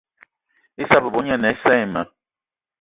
Issa bebo gne ane assa ayi ma.